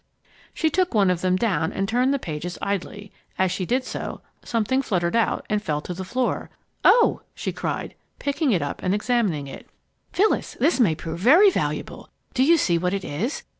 She took one of them down and turned the pages idly. As she did so, something fluttered out and fell to the floor. "Oh!" she cried, picking it up and examining it. "Phyllis, this may prove very valuable! Do you see what it is?"